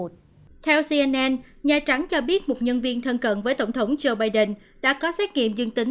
theo cnn nhà trắng cho biết một nhân viên thân cận với tổng thống joe biden đã có xét nghiệm dương tính